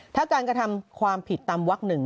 ถ้าการกระทำความผิดตามวัก๑